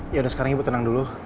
ya udah sekarang ibu tenang dulu